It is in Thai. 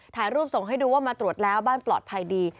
ถ่ายรูปส่งให้ดูว่ามาตรวจแล้วบ้านปลอดภัยดี